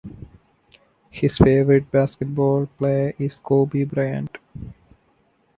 His favorite basketball player is Kobe Bryant.